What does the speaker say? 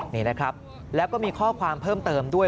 นี่นะครับแล้วก็มีข้อความเพิ่มเติมด้วย